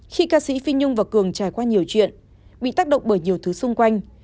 khi ca sĩ phi nhung và cường trải qua nhiều chuyện bị tác động bởi nhiều thứ xung quanh